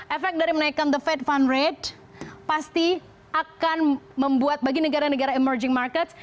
efek dari menaikkan the fed fund rate pasti akan membuat bagi negara negara emerging markets